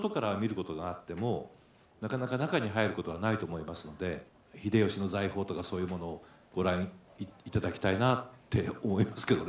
外から見ることはあっても、なかなか中に入ることはないと思いますので、秀吉の財宝とか、そういうものをご覧いただきたいなって思いますけどね。